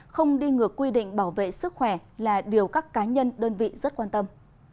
không đi ngược quy định bảo vệ sức khỏe là điều các cá nhân đơn vị rất quan tâm